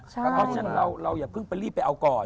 เพราะฉะนั้นเราอย่าเพิ่งไปรีบไปเอาก่อน